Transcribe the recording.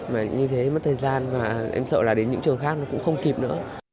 và như thế mất thời gian và em sợ là đến những trường khác nó cũng không kịp nữa